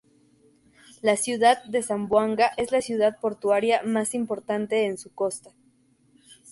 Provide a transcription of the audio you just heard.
La ciudad de Zamboanga es la ciudad portuaria más importante en su costa.